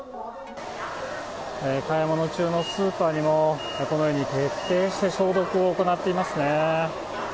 買い物中のスーパーにも、このように、徹底して消毒を行っていますね。